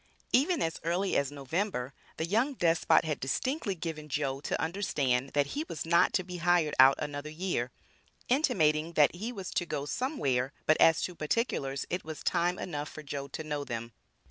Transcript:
Even as early as November, the young despot had distinctly given "Joe" to understand, that he was not to be hired out another year, intimating that he was to "go somewhere," but as to particulars, it was time enough for Joe to know them.